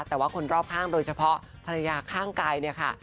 แต่ว่าคนรอบข้างโดยเฉพาะภรรยาข้างกายเนี่ยค่ะ